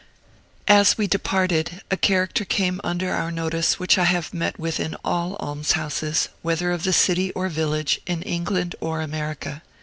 As we departed, a character came under our notice which I have met with in all almshouses, whether of the city or village, or in England or America.